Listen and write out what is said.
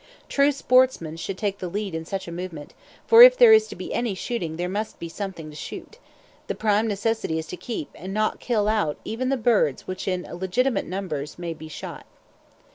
True sportsmen should take the lead in such a movement, for if there is to be any shooting there must be something to shoot; the prime necessity is to keep, and not kill out, even the birds which in legitimate numbers may be shot.